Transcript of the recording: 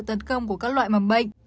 công của các loại mầm bệnh